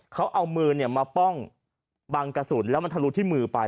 เขาเอามือมาป้องบังกระสุนแล้วมันทะลุที่มือไป